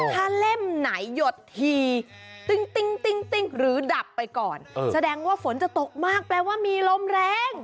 ถ้าเล่มไหนหยดทีติ้งหรือดับไปก่อนแสดงว่าฝนจะตกมากแปลว่ามีลมแรง